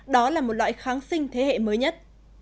đó là một loại kháng sinh thế hệ mới nhất